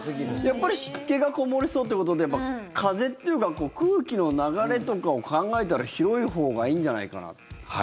やっぱり湿気がこもりそうということで風というか空気の流れとかを考えたら広いほうがいいんじゃないかなって。